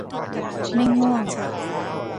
ไม่ง่วง